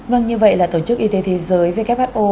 vâng như vậy là tổ chức y tế thế giới who